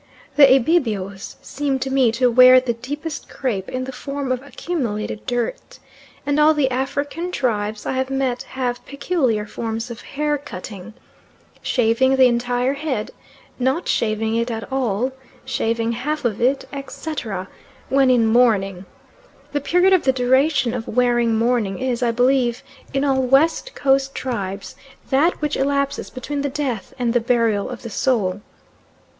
The Ibibios seem to me to wear the deepest crape in the form of accumulated dirt, and all the African tribes I have met have peculiar forms of hair cutting shaving the entire head, not shaving it at all, shaving half of it, etc. when in mourning. The period of the duration of wearing mourning is, I believe, in all West Coast tribes that which elapses between the death and the burial of the soul.